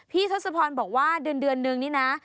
ทศพรบอกว่าเดือนนึงนี่นะ